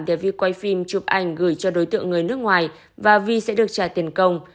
để vi quay phim chụp ảnh gửi cho đối tượng người nước ngoài và vi sẽ được trả tiền công